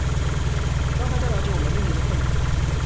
讓大家了解我們面臨的困難